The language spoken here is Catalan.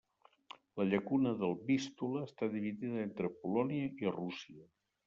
La llacuna del Vístula està dividida entre Polònia i Rússia.